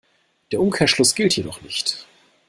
Der Umkehrschluss gilt jedoch nicht.